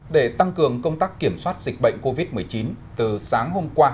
để tăng cường công tác kiểm soát dịch bệnh covid một mươi chín từ sáng hôm qua